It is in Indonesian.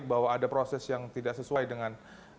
bahwa ada proses yang tidak sesuai dengan